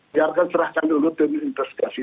biarkan serahkan dulu tim investigasi